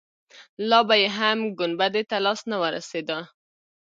لا به يې هم ګنبدې ته لاس نه وررسېده.